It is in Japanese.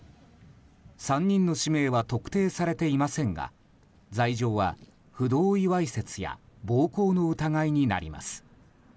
３人の氏名は特定されていませんが罪状は不同意わいせつや暴行の疑いになります。